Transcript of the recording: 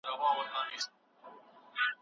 واده کولو ته بايد بشپړ چمتووالی ونيول سي.